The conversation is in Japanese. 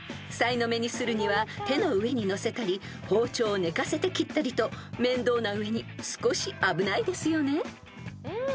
［さいの目にするには手の上にのせたり包丁を寝かせて切ったりと面倒な上に少し危ないですよね］